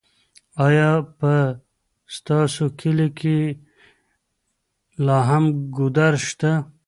ایا په ستاسو کلي کې لا هم ګودر شته؟